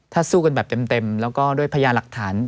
ถ้าสู้กันแบบเต็มแล้วก็ด้วยพญาหลักฐาน